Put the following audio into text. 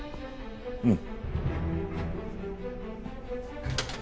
うん。